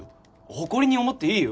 誇りに思っていいよ